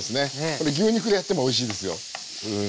これ牛肉でやってもおいしいですようん。